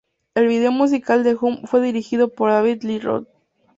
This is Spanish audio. El video musical de "Jump" fue dirigido por David Lee Roth.